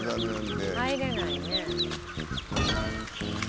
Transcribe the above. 入れないね。